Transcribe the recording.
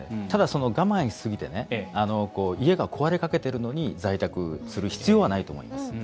ただ、我慢しすぎて家が壊れかけてるのに在宅する必要はないと思います。